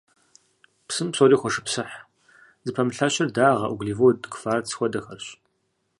Псым псори хошыпсыхь, зыпэмылъэщыр дагъэ, углевод, кварц хуэдэхэрщ.